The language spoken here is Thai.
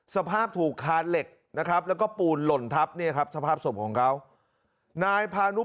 สภาพถูกขาดเหล็กนะครับแล้วก็ปูนหล่นทัพเนี่ยครับสภาพสมของเขา